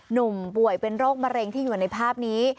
หนุ่มป่วยเป็นโรคมะเร็งที่อยู่ในภาพนี้